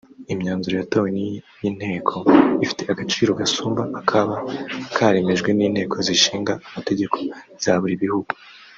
Imyanzuro yatowe n’iyi nteko ifite agaciro gasumba akaba karemejwe n’inteko zishinga amategeko za buri bihugu